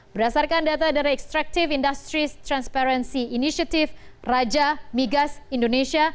berdasarkan data dari extractive industrys transparency initiative raja migas indonesia